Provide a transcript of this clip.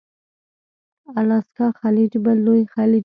الاسکا خلیج بل لوی خلیج دی.